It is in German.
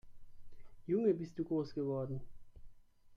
Junge, bist du groß geworden